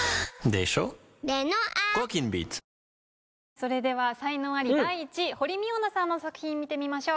それでは才能アリ第１位堀未央奈さんの作品見てみましょう。